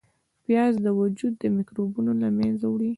پیاز د وجود میکروبونه له منځه وړي